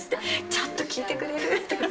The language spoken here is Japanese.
ちょっと聞いてくれる！？とか。